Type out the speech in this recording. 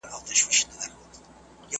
چي به ستړی سو او تګ به یې کرار سو .